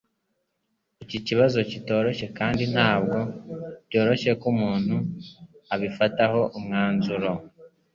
Iki nikibazo kitoroshye, kandi ntabwo byoroshye ko umuntu abifataho umwanzuro.